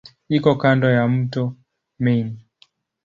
Iko kando ya mto Main.